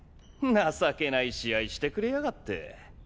情けない試合してくれやがって。